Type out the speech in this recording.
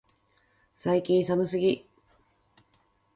最近寒すぎ、